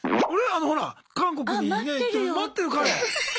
あのほら韓国にね行ってる待ってる彼。